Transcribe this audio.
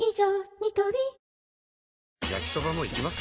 ニトリ焼きソバもいきます？